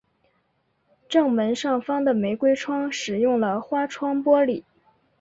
正门上方的玫瑰窗使用了花窗玻璃。